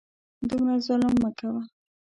دومره ظلم مه کوه !